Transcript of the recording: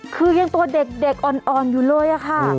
คือยังตัวเด็กอ่อนอยู่เลยอะค่ะ